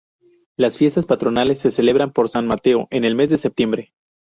Las fiestas patronales se celebran por San Mateo, en el mes de septiembre.